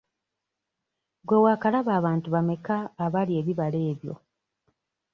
Gwe waakalaba abantu bameka abalya ebibala ebyo?